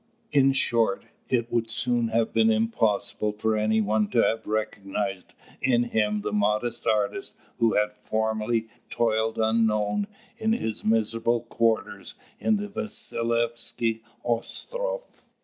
In short, it would soon have been impossible for any one to have recognised in him the modest artist who had formerly toiled unknown in his miserable quarters in the Vasilievsky Ostroff.